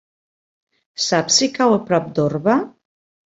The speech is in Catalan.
Saps si cau a prop d'Orba?